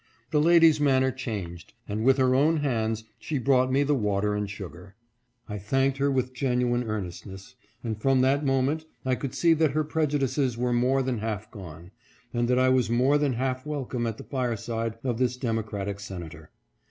The lady's manner changed, and with her own hands she brought me the water and sugar. I thanked her with genuine earnest ness ; and from that moment I could see that her preju dices were more than half gone, and that I was more than half welcome at the fireside of this Democratic senator.